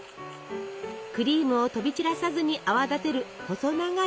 クリームを飛び散らさずに泡立てる細長い容器。